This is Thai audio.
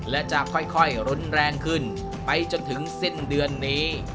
และจะค่อยรุนแรงขึ้นไปจนถึงสิ้นเดือนนี้